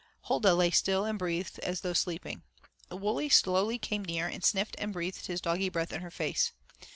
Huldah lay still and breathed as though sleeping. Wully slowly came near and sniffed and breathed his doggy breath in her face.